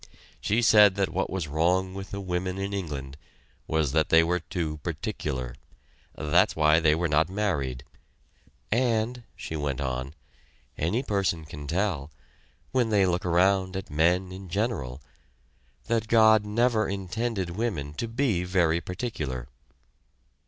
She said that what was wrong with the women in England was that they were too particular that's why they were not married, "and," she went on, "any person can tell, when they look around at men in general, that God never intended women to be very particular."